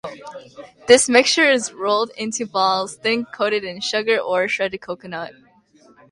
This mixture is rolled into balls, then coated in sugar or shredded coconut.